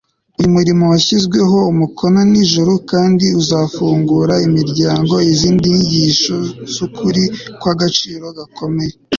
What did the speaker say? uyu murimo washyizweho umukono n'ijuru, kandi uzafungurira imiryango izindi nyigisho z'ukuri kw'agaciro gakomeye